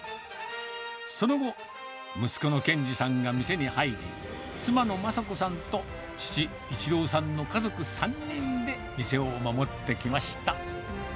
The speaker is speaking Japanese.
その後、息子の健志さんが店に入り、妻のまさ子さんと父、一朗さんの家族３人で店を守ってきました。